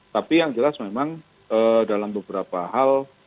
tapi yang jelas memang dalam beberapa hal